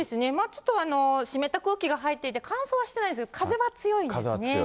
ちょっと湿った空気が入っていて、乾燥はしてないんですけど、風は強いですね。